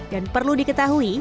dan perlu diketahui